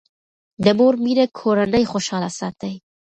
د مور مینه کورنۍ خوشاله ساتي.